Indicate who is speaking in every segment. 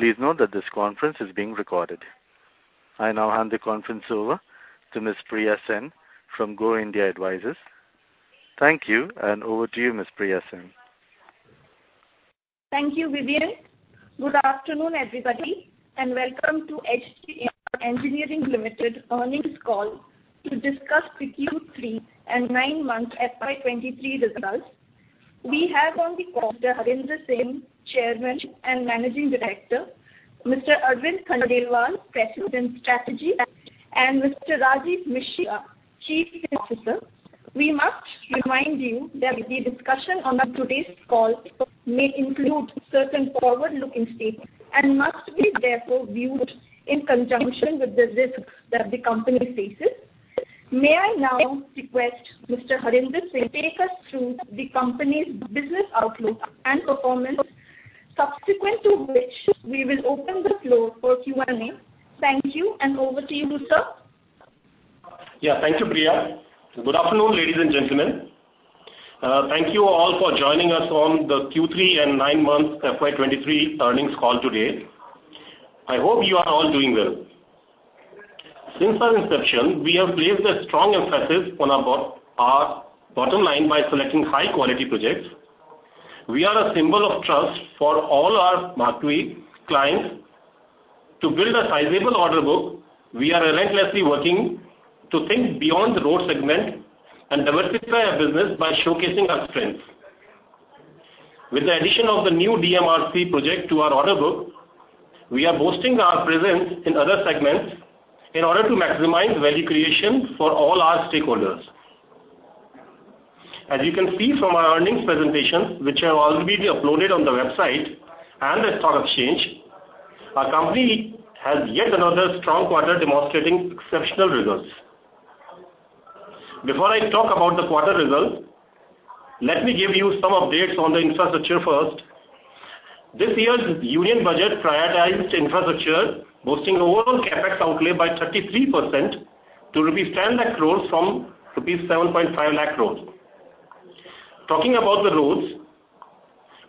Speaker 1: Please note that this conference is being recorded. I now hand the conference over to Miss Priya Sen from Go India Advisors. Thank you, and over to you, Miss Priya Sen.
Speaker 2: Thank you, Vivian. Good afternoon, everybody, and welcome to H.G. Infra Engineering Limited Earnings Call to discuss the Q3 and nine-month FY 2023 results. We have on the call, Mr. Harendra Singh, Chairman and Managing Director, Mr. Arvind Khandelwal, President, Strategy, and Mr. Rajeev Mishra, Chief Financial Officer. We must remind you that the discussion on today's call may include certain forward-looking statements, and must be therefore viewed in conjunction with the risks that the company faces. May I now request Mr. Harendra Singh take us through the company's business outlook and performance, subsequent to which we will open the floor for Q&A. Thank you, and over to you, sir.
Speaker 3: Yeah. Thank you, Priya. Good afternoon, ladies and gentlemen. Thank you all for joining us on the Q3 and nine-month FY 2023 earnings call today. I hope you are all doing well. Since our inception, we have placed a strong emphasis on our bottom line by selecting high quality projects. We are a symbol of trust for all our marquee clients. To build a sizable order book, we are relentlessly working to think beyond the road segment and diversify our business by showcasing our strengths. With the addition of the new DMRC project to our order book, we are boosting our presence in other segments in order to maximize value creation for all our stakeholders. As you can see from our earnings presentation, which have already been uploaded on the website and the stock exchange, our company has yet another strong quarter demonstrating exceptional results. Before I talk about the quarter results, let me give you some updates on the infrastructure first. This year's Union Budget prioritized infrastructure, boosting overall CapEx outlay by 33% to rupees 10 lakh crore from rupees 7.5 lakh crore. Talking about the roads,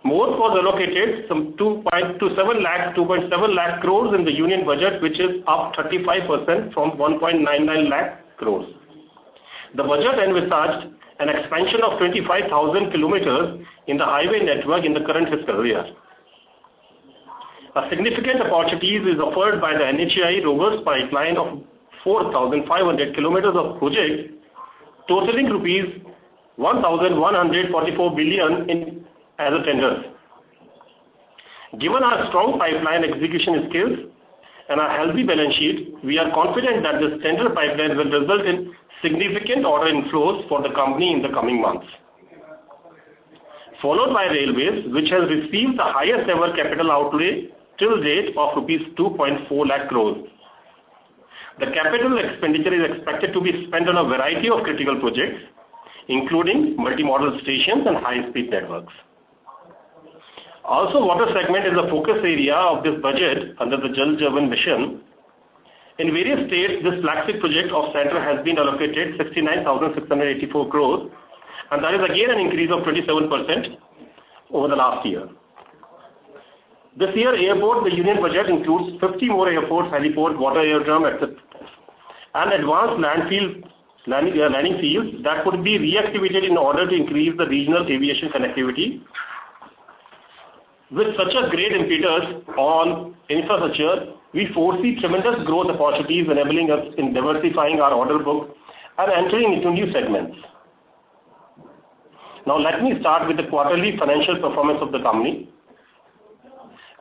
Speaker 3: more was allocated from 2.5 lakh crore to 2.7 lakh crore in the Union Budget, which is up 35% from 1.9 lakh crore. The budget envisaged an expansion of 25,000 km in the highway network in the current fiscal year. A significant opportunity is offered by the NHAI robust pipeline of 4,500 km of projects, totaling INR 1,14,400 crore in as tenders. Given our strong pipeline execution skills and our healthy balance sheet, we are confident that this tender pipeline will result in significant order inflows for the company in the coming months. Followed by railways, which has received the highest ever capital outlay till date of rupees 2.4 lakh crore. The capital expenditure is expected to be spent on a variety of critical projects, including multi-modal stations and high-speed networks. Also, water segment is a focus area of this budget under the Jal Jeevan Mission. In various states, this flagship project of Centre has been allocated 69,684 crore, and that is again an increase of 27% over the last year. This year, airport, the Union Budget includes 50 more airports, heliports, water aerodrome, etc., and advanced land fields, landing fields, that could be reactivated in order to increase the regional aviation connectivity. With such a great impetus on infrastructure, we foresee tremendous growth opportunities enabling us in diversifying our order book and entering into new segments. Now, let me start with the quarterly financial performance of the company.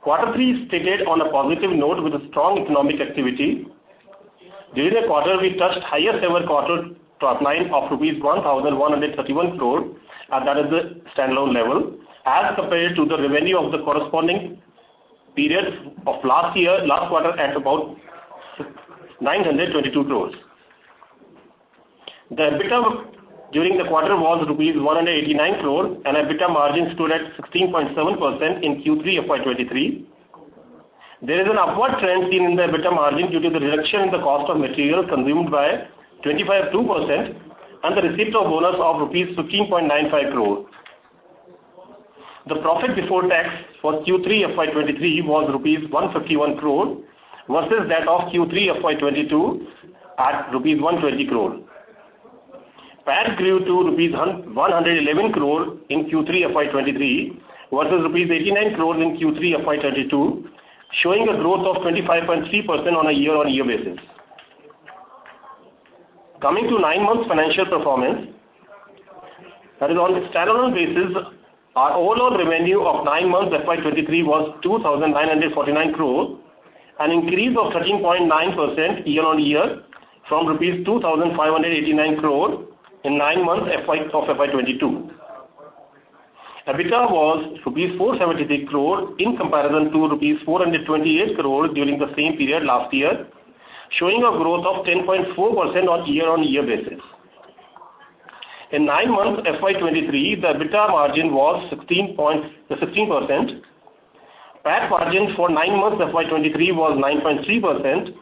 Speaker 3: Quarter three started on a positive note with a strong economic activity. During the quarter, we touched highest ever quarter top line of rupees 1,131 crore, and that is the standalone level, as compared to the revenue of the corresponding periods of last year, last quarter, at about nine hundred and twenty-two crores. The EBITDA during the quarter was rupees 189 crore, and EBITDA margin stood at 16.7% in Q3 FY 2023. There is an upward trend seen in the EBITDA margin due to the reduction in the cost of material consumed by 25.2% and the receipt of bonus of rupees 15.95 crore. The profit before tax for Q3 FY 2023 was rupees 151 crore versus that of Q3 FY 2022 at rupees 120 crore. PAT grew to rupees 111 crore in Q3 FY 2023 versus rupees 89 crore in Q3 FY 2022, showing a growth of 25.3% on a year-on-year basis. Coming to nine months financial performance, that is on a standalone basis, our overall revenue of nine months FY 2023 was 2,949 crore, an increase of 13.9% year-on-year from rupees 2,589 crore in nine months FY 2022. EBITDA was rupees 473 crore in comparison to rupees 428 crore during the same period last year, showing a growth of 10.4% on year-on-year basis. In nine months, FY 2023, the EBITDA margin was 16%. PAT margin for nine months FY 2023 was 9.3%.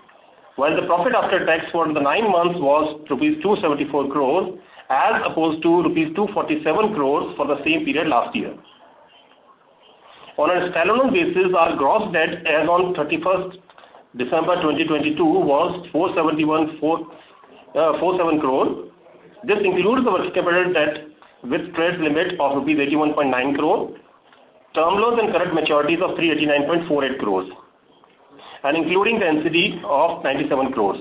Speaker 3: While the profit after tax for the nine months was rupees 274 crore, as opposed to rupees 247 crore for the same period last year. On a standalone basis, our gross debt as on 31 December 2022, was 471.4 crore. This includes the working capital debt, with credit limit of rupees 81.9 crore, term loans and current maturities of 389.48 crore, and including the NCD of 97 crore.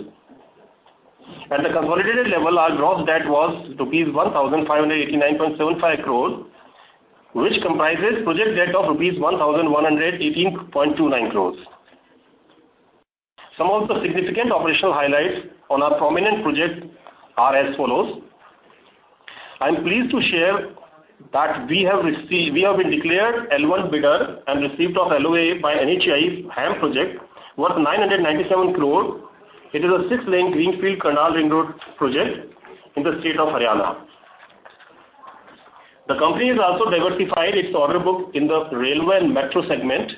Speaker 3: At the consolidated level, our gross debt was rupees 1,589.75 crore, which comprises project debt of rupees 1,118.29 crore. Some of the significant operational highlights on our prominent projects are as follows: I'm pleased to share that we have been declared L1 bidder, and receipt of LOA by NHAI HAM project, worth 997 crore. It is a six-lane greenfield Karnal Ring Road project in the state of Haryana. The company has also diversified its order book in the railway and metro segment.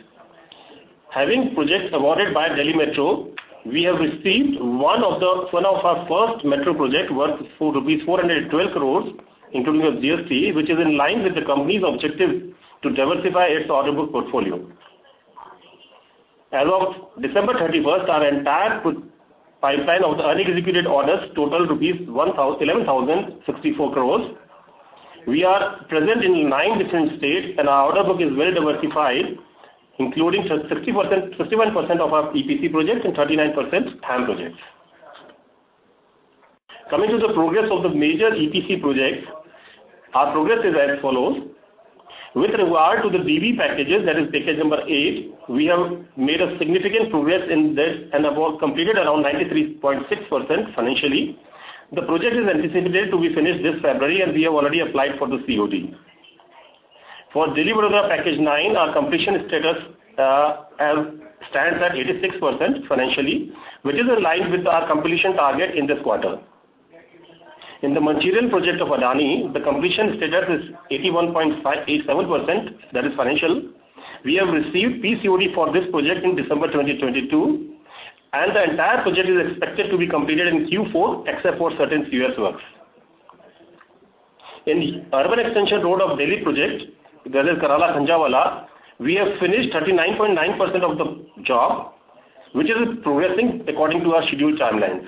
Speaker 3: Having projects awarded by Delhi Metro, we have received one of the, one of our first metro project, worth rupees 412 crore, including the GST, which is in line with the company's objective to diversify its order book portfolio. As of 31 December, our entire pipeline of the unexecuted orders total 11,064 crore. We are present in nine different states, and our order book is well diversified, including 61% of our EPC projects and 39% HAM projects. Coming to the progress of the major EPC projects, our progress is as follows: With regard to the DV packages, that is Package 8, we have made a significant progress in this, and about completed around 93.6% financially. The project is anticipated to be finished this February, and we have already applied for the COD. For Delhi Metro Package 9, our completion status stands at 86% financially, which is in line with our completion target in this quarter. In the Mancherial project of Adani, the completion status is 81.5% to 87%, that is financial. We have received PCOD for this project in December 2022, and the entire project is expected to be completed in Q4, except for certain serious works. In the Urban Extension Road of Delhi project, that is Karala-Kanjhawala, we have finished 39.9% of the job, which is progressing according to our scheduled timelines.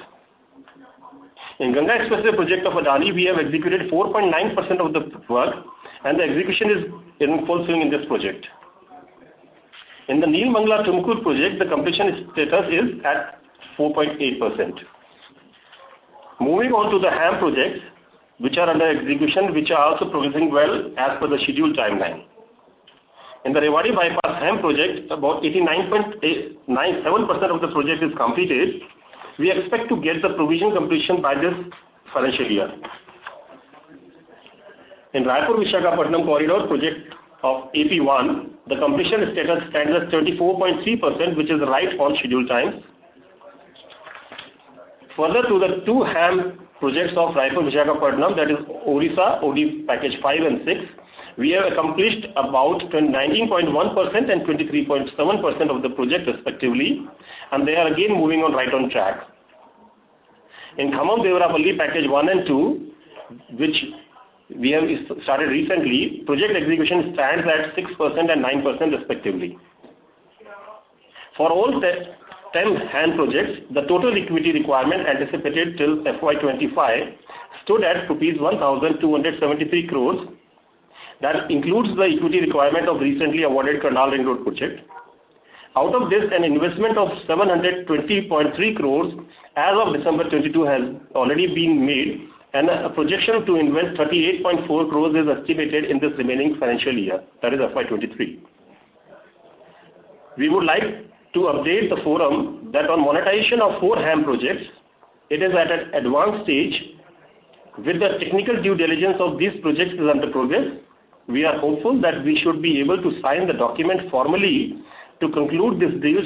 Speaker 3: In Ganga Expressway project of Adani, we have executed 4.9% of the work, and the execution is in full swing in this project. In the Nelamangala-Tumkur project, the completion status is at 4.8%. Moving on to the HAM projects, which are under execution, which are also progressing well as per the scheduled timeline. In the Rewari Bypass HAM project, about 89.97% of the project is completed. We expect to get the provision completion by this financial year. In Raipur-Visakhapatnam Corridor project of AP-1, the completion status stands at 34.3%, which is right on schedule times. Further to the two HAM projects of Raipur-Visakhapatnam, that is Odisha, OD Package 5 and 6, we have accomplished about 19.1% and 23.7% of the project respectively, and they are again moving on right on track. In Khammam-Devarapalle, Package 1 and 2, which we have started recently, project execution stands at 6% and 9% respectively. For all 10 HAM projects, the total equity requirement anticipated till FY 2025 stood at rupees 1,273 crore. That includes the equity requirement of recently awarded Karnal Ring Road project. Out of this, an investment of 720.3 crore as of December 2022 has already been made, and a projection to invest 38.4 crore is estimated in this remaining financial year, that is FY 2023. We would like to update the forum that on monetization of four HAM projects, it is at an advanced stage, with the technical due diligence of these projects is under progress. We are hopeful that we should be able to sign the document formally to conclude this deal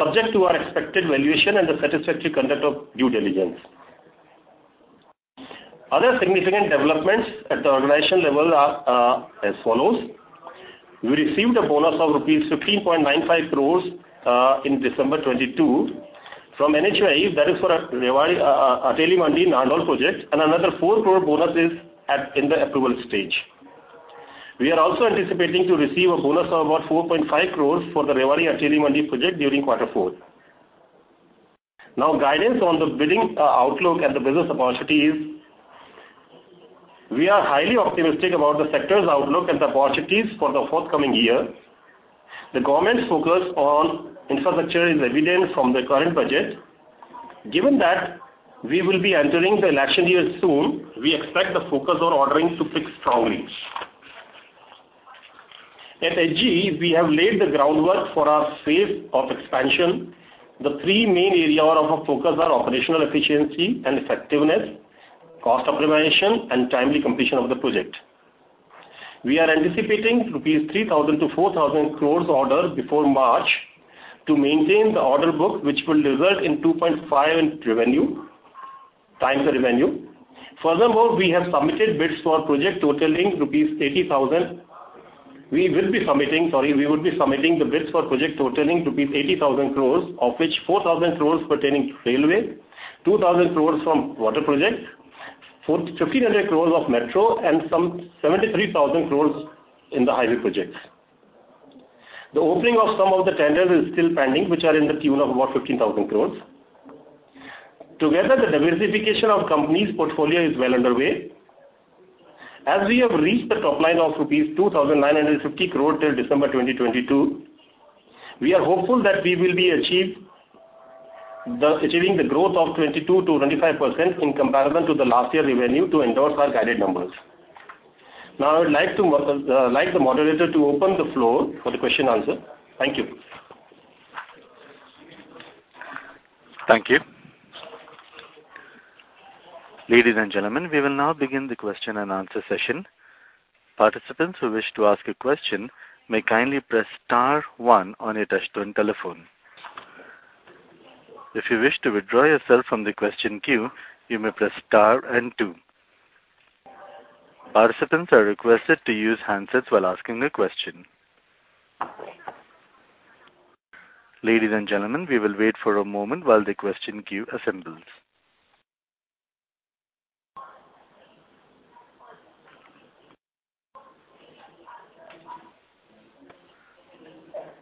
Speaker 3: shortly, subject to our expected valuation and the satisfactory conduct of due diligence. Other significant developments at the organization level are, as follows: We received a bonus of rupees 15.95 crore in December 2022 from NHAI. That is for our Rewari-Ateli Mandi-Narnaul project, and another 4 crore bonus is in the approval stage. We are also anticipating to receive a bonus of about 4.5 crore for the Rewari-Ateli Mandi project during quarter four. Now, guidance on the bidding, outlook and the business opportunities. We are highly optimistic about the sector's outlook and the opportunities for the forthcoming year. The government's focus on infrastructure is evident from the current budget. Given that we will be entering the election year soon, we expect the focus on ordering to pick strongly. At H.G., we have laid the groundwork for our phase of expansion. The three main areas of our focus are operational efficiency and effectiveness, cost optimization, and timely completion of the project. We are anticipating rupees 3,000-4,000 crore order before March, to maintain the order book, which will result in 2.5x the revenue. Furthermore, we have submitted bids for project totaling rupees 80,000. We will be submitting, sorry, we would be submitting the bids for project totaling rupees 80,000 crore, of which 4,000 crore pertaining to railway, 2,000 crore from water projects, 1,500 crore of metro, and some 73,000 crore in the highway projects. The opening of some of the tenders is still pending, which are in the tune of about 15,000 crore. Together, the diversification of company's portfolio is well underway. As we have reached the top line of rupees 2,950 crore till December 2022, we are hopeful that we will be achieved, the achieving the growth of 22% to 25% in comparison to the last year revenue to endorse our guided numbers. Now, I would like to like the moderator to open the floor for the question answer. Thank you.
Speaker 1: Thank you. Ladies and gentlemen, we will now begin the question-and-answer session. Participants who wish to ask a question may kindly press star one on your touchtone telephone. If you wish to withdraw yourself from the question queue, you may press star and two. Participants are requested to use handsets while asking a question. Ladies and gentlemen, we will wait for a moment while the question queue assembles.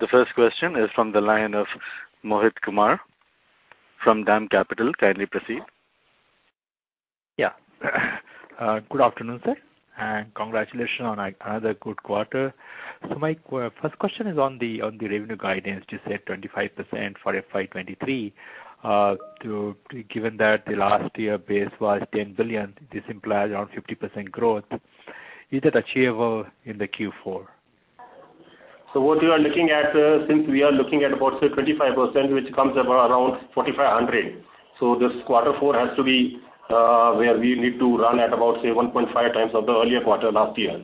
Speaker 1: The first question is from the line of Mohit Kumar from DAM Capital. Kindly proceed.
Speaker 4: Yeah. Good afternoon, sir, and congratulations on another good quarter. So my first question is on the revenue guidance. You said 25% for FY 2023, given that the last year base was 10 billion, this implies around 50% growth. Is it achievable in the Q4?
Speaker 3: So what you are looking at, since we are looking at about, say, 25%, which comes around 4,500, so this quarter four has to be where we need to run at about, say, 1.5x of the earlier quarter last year.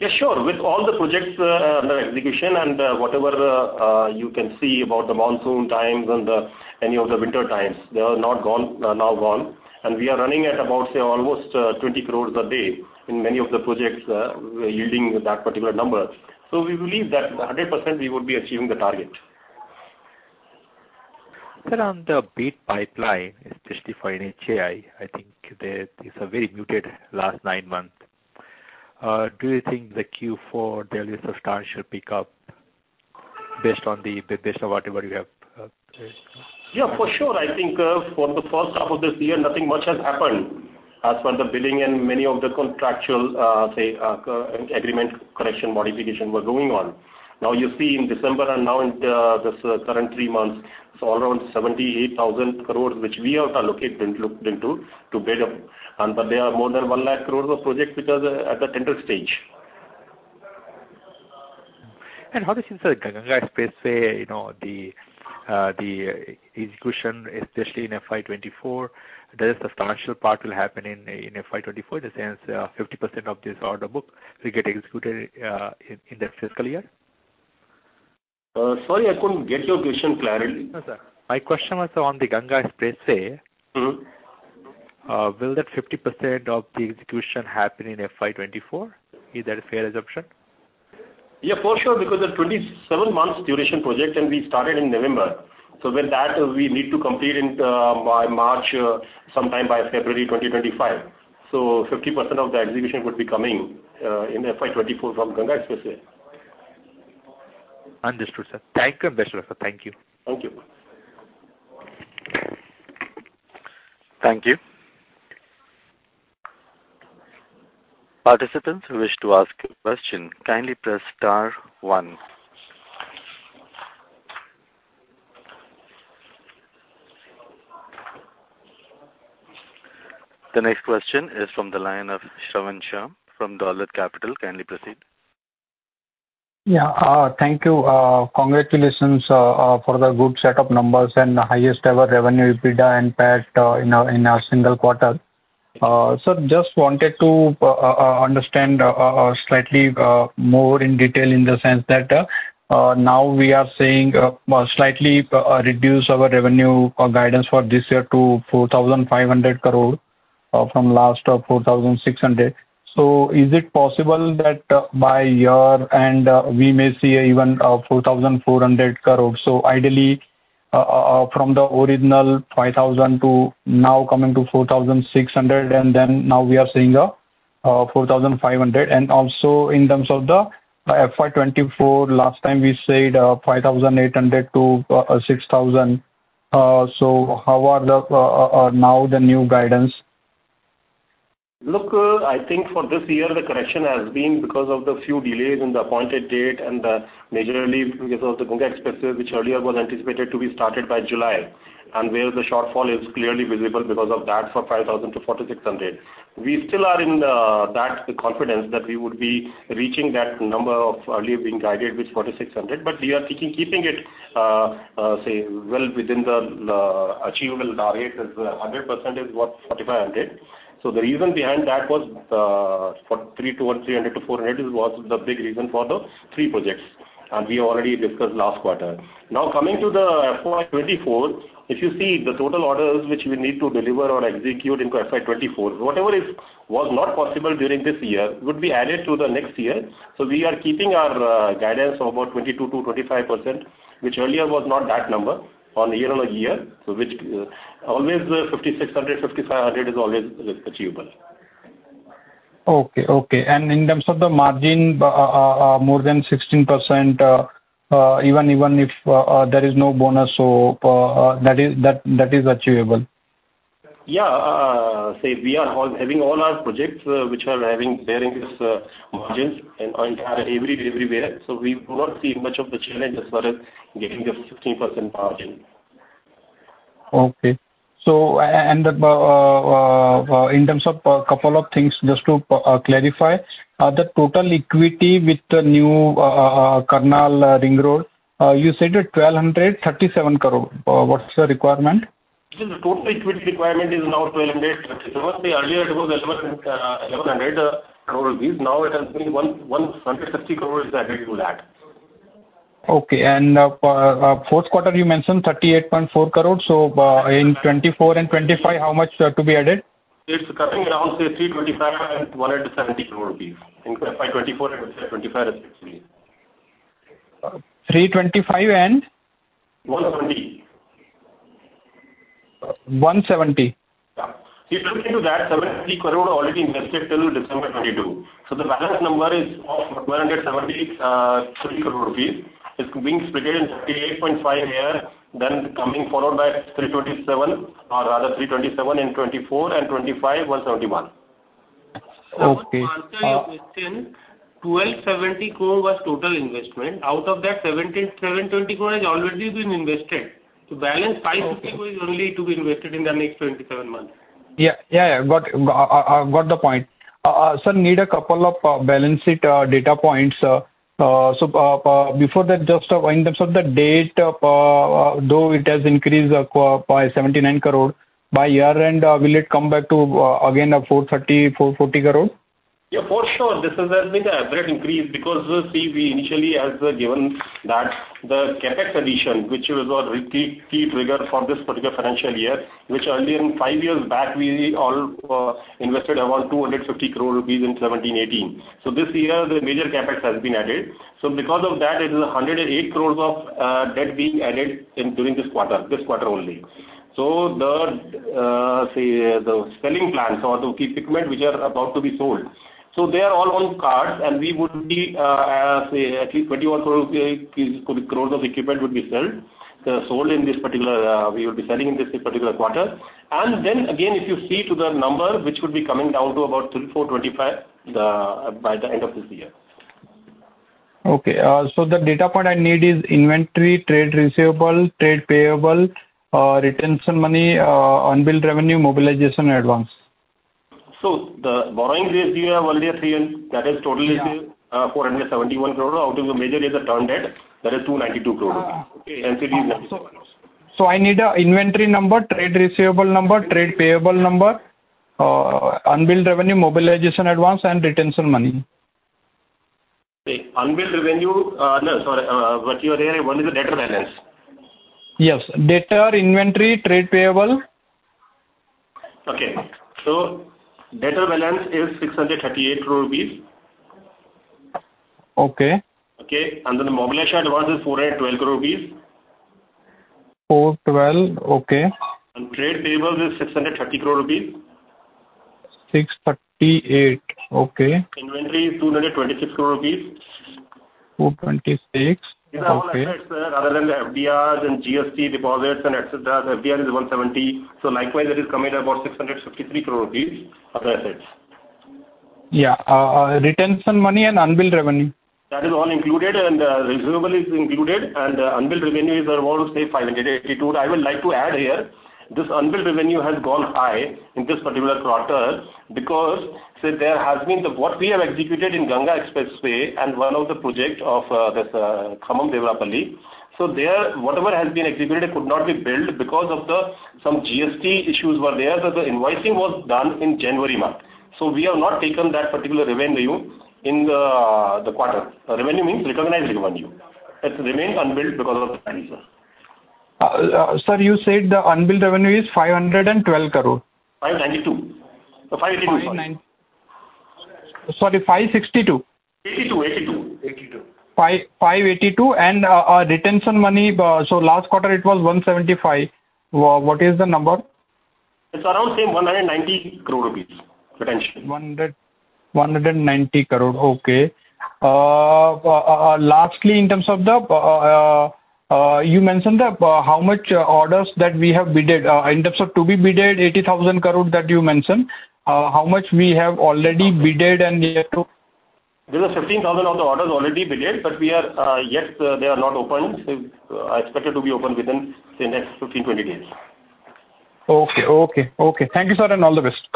Speaker 3: Yeah, sure. With all the projects under execution and whatever you can see about the monsoon times and the any of the winter times, they are not gone, now gone, and we are running at about, say, almost 20 crore a day in many of the projects yielding that particular number. So we believe that 100% we would be achieving the target.
Speaker 4: Sir, on the bid pipeline, especially for NHAI, I think there is a very muted last nine months. Do you think the Q4 there is a substantial pickup based on the, based on whatever you have?
Speaker 3: Yeah, for sure. I think, for the first half of this year, nothing much has happened as per the billing and many of the contractual, say, agreement correction modification were going on. Now, you see in December and now in the, this current three months, so around 78,000 crore, which we have allocated, looked into to build up, and but there are more than 100,000 crore of projects which are at the tender stage.
Speaker 4: How does inside Ganga Expressway, you know, the execution, especially in FY 2024, there is a substantial part will happen in FY 2024, in the sense, 50% of this order book will get executed in the fiscal year?
Speaker 3: Sorry, I couldn't get your question clearly.
Speaker 4: No, sir. My question was on the Ganga Expressway.
Speaker 3: Mm-hmm.
Speaker 4: Will that 50% of the execution happen in FY 2024? Is that a fair assumption?
Speaker 3: Yeah, for sure, because the 27-month duration project, and we started in November, so with that, we need to complete in, by March, sometime by February 2025. So 50% of the execution would be coming, in FY 2024 from Ganga Expressway.
Speaker 4: Understood, sir. Thank you, sir. Thank you.
Speaker 3: Thank you.
Speaker 1: Thank you. Participants who wish to ask a question, kindly press star one. The next question is from the line of Shravan Shah from Dolat Capital. Kindly proceed.
Speaker 5: Yeah, thank you. Congratulations for the good set of numbers and the highest ever revenue, EBITDA and PAT in a single quarter. So just wanted to understand slightly more in detail in the sense that now we are seeing slightly reduce our revenue guidance for this year to 4,500 crore from last 4,600 crore. So is it possible that by year-end, we may see even 4,400 crore? So ideally from the original 5,000 crore to now coming to 4,600 crore, and then now we are seeing 4,500 crore. And also in terms of the FY 2024, last time we said 5,800 crore to 6,000 crore. How are the, now the new guidance?
Speaker 3: Look, I think for this year, the correction has been because of the few delays in the appointed date and majorly because of the Ganga Expressway, which earlier was anticipated to be started by July, and where the shortfall is clearly visible because of that, for 5,000 crore to 4,600 crore. We still are in that confidence that we would be reaching that number of earlier being guided with 4,600 crore, but we are keeping it, say, well within the achievable rate as 100% is what? 4,500 crore. The reason behind that was, for 300 towards 300 to 400 was the big reason for the three projects... and we already discussed last quarter. Now coming to the FY 2024, if you see the total orders which we need to deliver or execute into FY 2024, whatever is, was not possible during this year would be added to the next year. So we are keeping our guidance of about 22% to 25%, which earlier was not that number on year-over-year. So which always the 5,600 crore, 5,500 crore is always, is achievable.
Speaker 5: Okay, okay. And in terms of the margin, more than 16%, even, even if there is no bonus, so, that is, that, that is achievable?
Speaker 3: Yeah. Say we are all having all our projects, which are having bearing this margins and on everywhere, so we will not see much of the challenge as far as getting the 15% margin.
Speaker 5: Okay. And, in terms of a couple of things, just to clarify, the total equity with the new Karnal Ring Road, you said it 1,237 crore. What's the requirement?
Speaker 3: The total equity requirement is now 1,237 crore. Earlier it was 1,100 crore rupees. Now 150 crore is added to that.
Speaker 5: Okay, and fourth quarter, you mentioned 38.4 crore. So, in 2024 and 2025, how much are to be added?
Speaker 3: It's coming around, say, 325 crore and 170 crore rupees in FY 2024 and FY 2025 respectively.
Speaker 5: 325 and?
Speaker 3: 170.
Speaker 5: 170.
Speaker 3: Yeah. If you look into that, 73 crore already invested till December 2022. So the balance number is of 173 crore rupees. It's being split in 38.5 here, then coming followed by 327, or rather 327 in 2024, and 2025, 171.
Speaker 5: Okay, uh-
Speaker 6: To answer your question, 1,270 crore was total investment. Out of that, 1,720 crore has already been invested. The balance 550 crore is only to be invested in the next 27 months.
Speaker 5: Yeah. Yeah, yeah. Got it. I got the point. Sir, need a couple of balance sheet data points. So, before that, just in terms of the debt, though it has increased by 79 crore, by year-end, will it come back to again 430 crore to 440 crore?
Speaker 3: Yeah, for sure. This has been an average increase because, see, we initially as given that the CapEx addition, which was our key, key trigger for this particular financial year, which earlier in five years back, we all, invested around 250 crore rupees in 2017, 2018. So this year, the major CapEx has been added. So because of that, it is 108 crore of debt being added in during this quarter, this quarter only. So the, say, the selling plans or to keep equipment, which are about to be sold, so they are all on cards, and we would be, say, at least 21 crore of equipment would be sold. They're sold in this particular, we will be selling in this particular quarter. Then again, if you see to the number, which would be coming down to about 3,425 by the end of this year.
Speaker 5: Okay. So the data point I need is inventory, trade receivable, trade payable, retention money, unbilled revenue, mobilization, and advance.
Speaker 3: So the borrowing raise, we have only a three in. That is totally-
Speaker 5: Yeah.
Speaker 3: 471 crore. Out of the major is the term debt, that is 292 crore.
Speaker 5: Ah!
Speaker 3: Okay. NCD is also-
Speaker 5: I need an inventory number, trade receivable number, trade payable number, unbilled revenue, mobilization advance, and retention money.
Speaker 3: The unbilled revenue, no, sorry, what you are there, one is the debtor balance.
Speaker 5: Yes. Debtor, inventory, trade payable.
Speaker 3: Okay. So debtor balance is 638 crore rupees.
Speaker 5: Okay.
Speaker 3: Okay? And then the mobilization advance is 412 crore rupees.
Speaker 5: 412, okay.
Speaker 3: Trade payable is 630 crore rupees.
Speaker 5: 630, okay.
Speaker 3: Inventory is 226 crore rupees.
Speaker 5: 226, okay.
Speaker 3: These are all assets other than the FDRs and GST deposits and et cetera. The FDR is 170 crore, so likewise, it is coming at about 653 crore rupees other assets.
Speaker 5: Yeah. Retention money and unbilled revenue.
Speaker 3: That is all included, and receivable is included, and unbilled revenue is around, say, 582. I would like to add here, this unbilled revenue has gone high in this particular quarter because, so there has been the—What we have executed in Ganga Expressway and one of the project of, this, Khammam Devarapalle. So there, whatever has been executed could not be billed because of the, some GST issues were there, but the invoicing was done in January month. So we have not taken that particular revenue in the, the quarter. Revenue means recognized revenue. It remains unbilled because of that, sir.
Speaker 5: Sir, you said the unbilled revenue is 512 crore.
Speaker 3: 592. 582, sorry.
Speaker 5: 59... Sorry, 562?
Speaker 3: 82, 82, 82.
Speaker 5: 5, 582. And retention money, so last quarter it was 175. What is the number?
Speaker 3: It's around, say, 190 crore rupees, retention.
Speaker 5: 190 crore. Okay. Lastly, in terms of the, you mentioned that, how much orders that we have bidded, in terms of to-be bidded, 80,000 crore that you mentioned. How much we have already bidded and yet to?
Speaker 3: There are 15,000 of the orders already bid, but we are yet they are not open. So I expect it to be open within the next 15 to 20 days.
Speaker 5: Okay, okay. Okay. Thank you, sir, and all the best.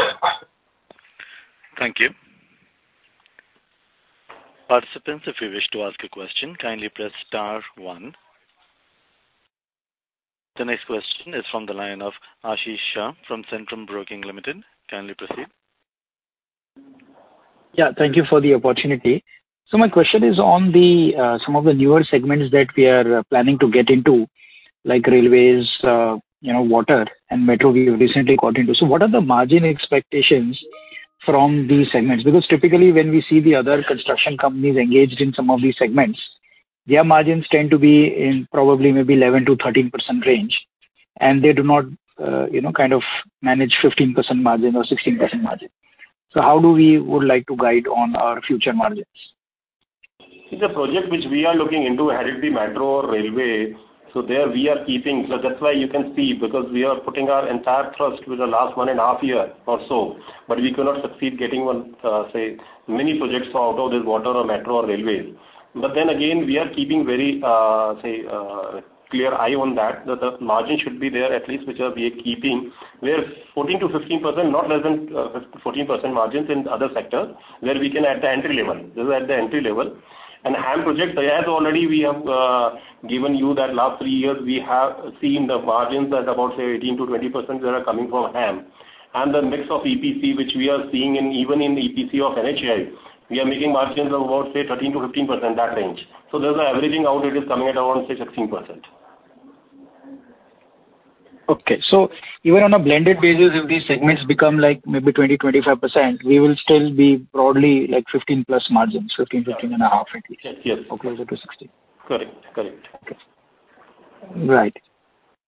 Speaker 3: Thank you.
Speaker 1: Participants, if you wish to ask a question, kindly press star one.... The next question is from the line of Ashish Shah from Centrum Broking Limited. Kindly proceed.
Speaker 7: Yeah, thank you for the opportunity. So my question is on the some of the newer segments that we are planning to get into, like railways, you know, water, and metro we recently got into. So what are the margin expectations from these segments? Because typically, when we see the other construction companies engaged in some of these segments, their margins tend to be in probably maybe 11% to 13% range, and they do not, you know, kind of manage 15% margin or 16% margin. So how do we would like to guide on our future margins?
Speaker 3: See, the project which we are looking into, whether it be metro or railway, so there we are keeping. So that's why you can see, because we are putting our entire trust with the last 1.5 year or so, but we could not succeed getting one, many projects out of this water or metro or railways. But then again, we are keeping very clear eye on that, that the margin should be there, at least which are we are keeping, where 14% to 15%, not less than 14% margins in other sectors, where we can at the entry level, this is at the entry level. And HAM project, as already we have given you that last three years, we have seen the margins at about, say, 18% to 20% that are coming from HAM. The mix of EPC, which we are seeing in, even in EPC of NHAI, we are making margins of about, say, 13% to 15%, that range. There's the averaging out, it is coming at around, say, 16%.
Speaker 7: Okay. So even on a blended basis, if these segments become like maybe 20% to 25%, we will still be broadly like +15% margins, 15%, 15.5%, at least.
Speaker 3: Yes.
Speaker 7: Or closer to 16%.
Speaker 3: Correct, correct.
Speaker 7: Okay. Right.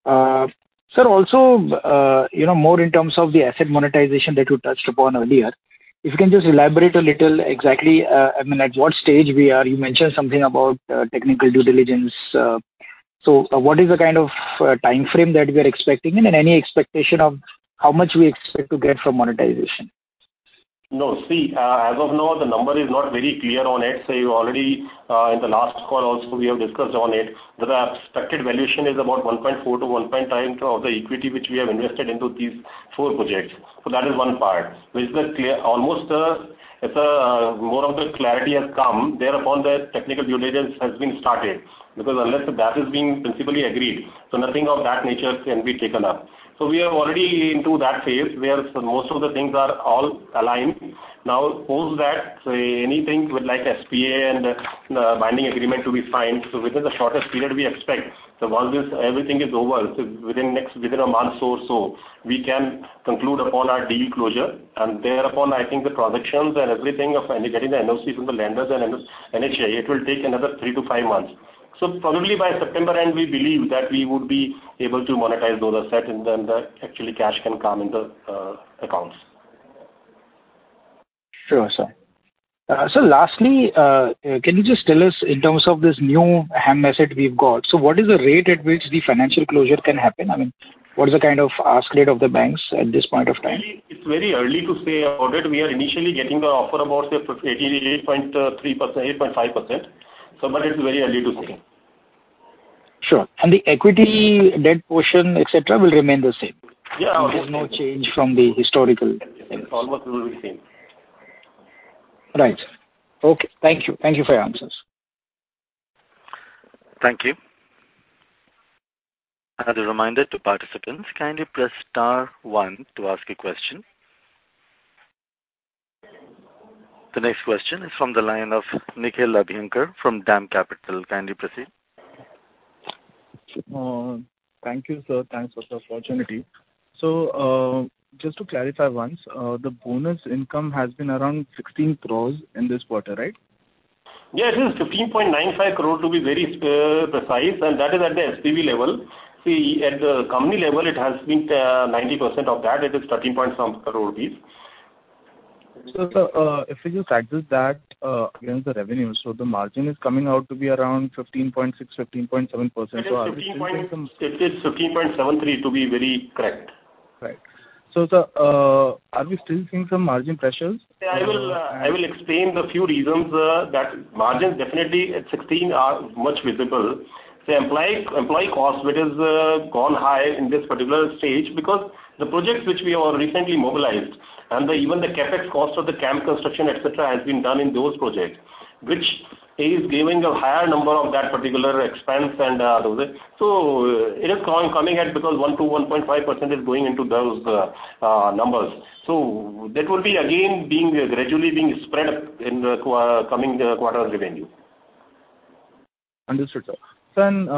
Speaker 7: Sir, also, you know, more in terms of the asset monetization that you touched upon earlier, if you can just elaborate a little exactly, I mean, at what stage we are. You mentioned something about technical due diligence. So what is the kind of time frame that we are expecting, and any expectation of how much we expect to get from monetization?
Speaker 3: No, see, as of now, the number is not very clear on it. So you already, in the last call also, we have discussed on it, that the expected valuation is about 1.4 to 1.5 of the equity which we have invested into these four projects. So that is one part. Which is clear, almost, as, more of the clarity has come, thereupon the technical due diligence has been started, because unless that is being principally agreed, so nothing of that nature can be taken up. So we are already into that phase, where most of the things are all aligned. Now, post that, so anything with like SPA and, binding agreement to be signed, so within the shortest period, we expect. So once this everything is over, so within next, within a month or so, we can conclude upon our deal closure, and thereupon, I think the transactions and everything of getting the NOC from the lenders and NHAI, it will take another three to five months. So probably by September end, we believe that we would be able to monetize those assets, and then the actually cash can come in the accounts.
Speaker 7: Sure, sir. Sir, lastly, can you just tell us in terms of this new HAM asset we've got, so what is the rate at which the financial closure can happen? I mean, what is the kind of ask rate of the banks at this point of time?
Speaker 3: It's very early to say about it. We are initially getting the offer about, say, 88.3%, 8.5%, so but it's very early to say.
Speaker 7: Sure. And the equity, debt portion, et cetera, will remain the same?
Speaker 3: Yeah.
Speaker 7: There's no change from the historical-
Speaker 3: Almost will be same.
Speaker 7: Right. Okay, thank you. Thank you for your answers.
Speaker 1: Thank you. Another reminder to participants, kindly press star one to ask a question. The next question is from the line of Nikhil Abhyankar from DAM Capital. Kindly proceed.
Speaker 8: Thank you, sir. Thanks for the opportunity. So, just to clarify once, the bonus income has been around 16 crore in this quarter, right?
Speaker 3: Yes, it is 15.95 crore, to be very precise, and that is at the SPV level. See, at the company level, it has been 90% of that, it is 13 point some crore.
Speaker 8: So, sir, if we just add this, that, against the revenue, so the margin is coming out to be around 15.6% to 15.7%?
Speaker 3: It is 15% point, it is 15.73%, to be very correct.
Speaker 8: Right. So, sir, are we still seeing some margin pressures?
Speaker 3: Yeah, I will, I will explain the few reasons that margins definitely at 16% are much visible. The employee, employee cost, which is, gone high in this particular stage, because the projects which we have recently mobilized, and the even the CapEx cost of the camp construction, et cetera, has been done in those projects, which is giving a higher number of that particular expense and, those. So it is coming at because 1% to 1.5% is going into those, numbers. So that will be again being, gradually being spread in the coming, quarters revenue.
Speaker 8: Understood, sir. Then,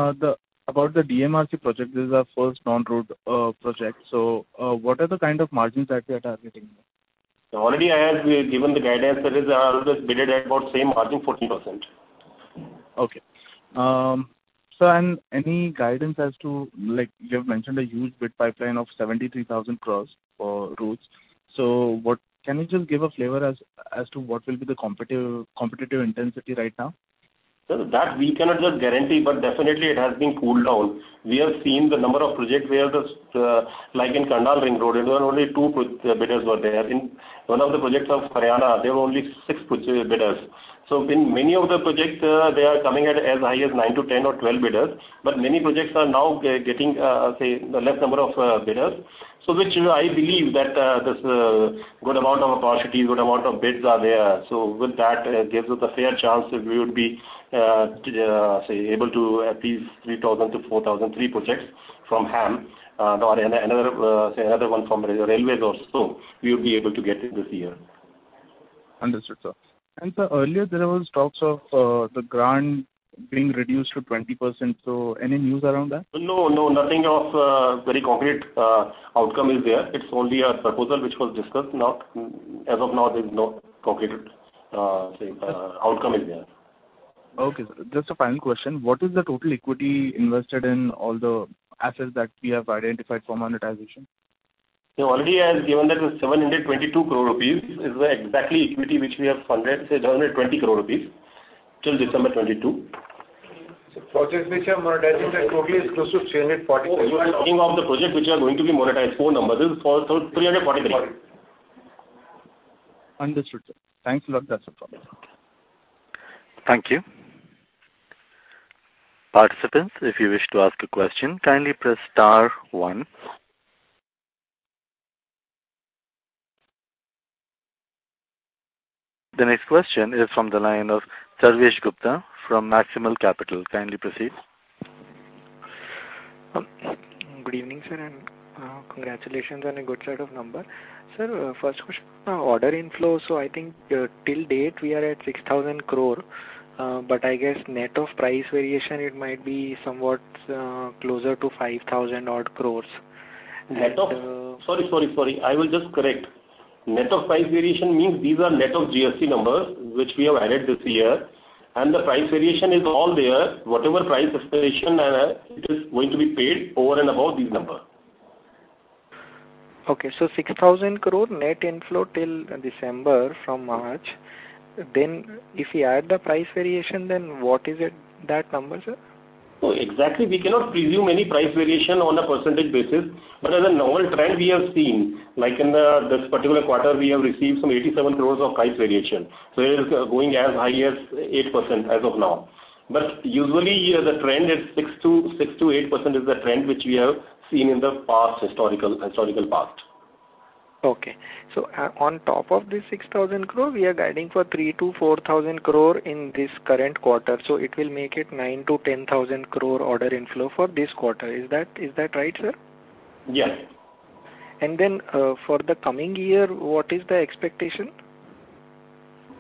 Speaker 8: about the DMRC project, this is our first non-road project, so, what are the kind of margins that we are targeting?
Speaker 3: Already I have given the guidance, that is, about same margin, 14%.
Speaker 8: Okay. Sir, any guidance as to, like, you have mentioned a huge bid pipeline of 73,000 crore for routes. So, what can you just give a flavor as to what will be the competitive, competitive intensity right now?
Speaker 3: Sir, that we cannot just guarantee, but definitely it has been cooled down. We have seen the number of projects where the, like in Karnal Ring Road, there were only two bidders were there. In one of the projects of Haryana, there were only six bidders. So in many of the projects, they are coming at as high as 9-10 or 12 bidders, but many projects are now getting, say, less number of bidders. So which, you know, I believe that, this, good amount of opportunities, good amount of bids are there. With that, it gives us a fair chance that we would be, to say, able to at least 3,000 to 4,000 three projects from HAM, or another, say, another one from railways also, we will be able to get in this year.
Speaker 8: Understood, sir. Sir, earlier there was talks of the grant being reduced to 20%, so any news around that?
Speaker 3: No, no, nothing of very concrete outcome is there. It's only a proposal which was discussed, not—as of now, there's no concrete, say, outcome is there.
Speaker 8: Okay, sir. Just a final question. What is the total equity invested in all the assets that we have identified for monetization?
Speaker 3: So already I have given that the 722 crore rupees is the exactly equity which we have funded, say, 720 crore rupees, till December 2022.
Speaker 6: So projects which are monetizing, the total is close to 343.
Speaker 3: You are talking of the project which are going to be monetized, four numbers, is for 343 crore.
Speaker 8: Understood, sir. Thanks a lot. That's no problem.
Speaker 1: Thank you. Participants, if you wish to ask a question, kindly press star one. The next question is from the line of Sarvesh Gupta from Maximal Capital. Kindly proceed.
Speaker 9: Good evening, sir, and, congratulations on a good set of numbers. Sir, first question, order inflow. So I think, till date, we are at 6,000 crore, but I guess net of price variation, it might be somewhat closer to 5,000 odd crores. And,
Speaker 3: Sorry, sorry, sorry. I will just correct.
Speaker 9: Yes.
Speaker 3: Net of price variation means these are net of GST numbers, which we have added this year, and the price variation is all there. Whatever price variation, it is going to be paid over and above these numbers.
Speaker 9: Okay, so 6,000 crore net inflow till December from March. Then if we add the price variation, then what is it, that number, sir?
Speaker 3: Oh, exactly, we cannot presume any price variation on a percentage basis, but as a normal trend, we have seen, like in the, this particular quarter, we have received some 87 crore of price variation, so it is going as high as 8% as of now. But usually, the trend is six to eight percent is the trend which we have seen in the past, historical past.
Speaker 9: Okay. So on top of this 6,000 crore, we are guiding for 3,000 crore to 4,000 crore in this current quarter. So it will make it 9,000 to 10,000 crore order inflow for this quarter. Is that, is that right, sir?
Speaker 3: Yes.
Speaker 9: For the coming year, what is the expectation?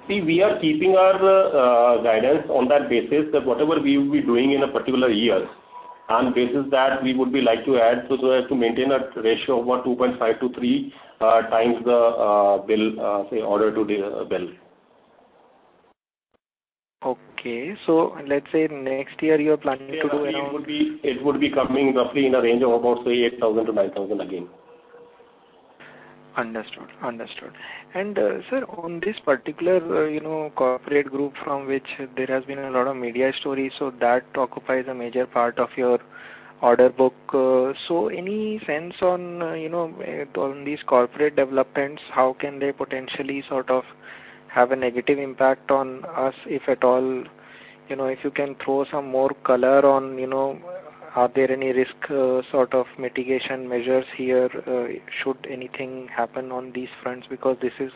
Speaker 3: See, we are keeping our guidance on that basis, that whatever we will be doing in a particular year, on basis that we would be like to add so as to maintain a ratio of about 2.5x to 3x times the bill, say, order to the bill.
Speaker 9: Okay. Let's say next year, you are planning to do around-
Speaker 3: It would be, it would be coming roughly in a range of about, say, 8,000 to 9,000 again.
Speaker 9: Understood. Understood. And, sir, on this particular, you know, corporate group from which there has been a lot of media stories, so that occupies a major part of your order book. So any sense on, you know, on these corporate developments, how can they potentially sort of have a negative impact on us, if at all, you know, if you can throw some more color on, you know, are there any risk, sort of mitigation measures here, should anything happen on these fronts? Because this is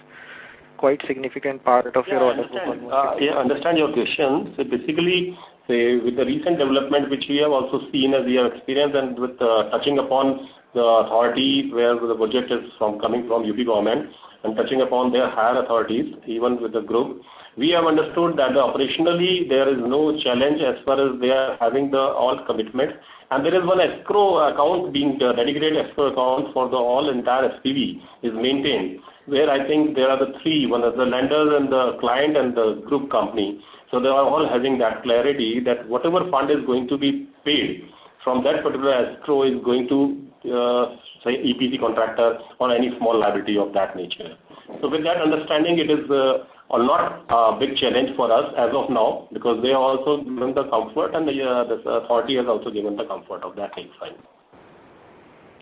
Speaker 9: quite significant part of your order book.
Speaker 3: Yeah, I understand, yeah, I understand your question. So basically, say, with the recent development, which we have also seen as we have experienced and with, touching upon the authority, where the project is from, coming from UP government, and touching upon their higher authorities, even with the group, we have understood that operationally there is no challenge as far as we are having the all commitment. And there is one escrow account, being dedicated escrow account for the all entire SPV is maintained, where I think there are the three, one is the lender and the client and the group company. So they are all having that clarity, that whatever fund is going to be paid, from that particular escrow is going to, say, EPC contractor or any small liability of that nature. So with that understanding, it is not a big challenge for us as of now, because they have also given the comfort and the authority has also given the comfort of that same side.